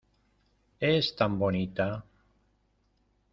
¡ es tan bonita!